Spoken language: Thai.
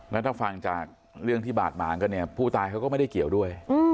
แล้วถ้าฟังจากเรื่องที่บาดหมางกันเนี่ยผู้ตายเขาก็ไม่ได้เกี่ยวด้วย